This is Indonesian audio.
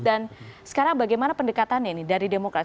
dan sekarang bagaimana pendekatannya ini dari demokrat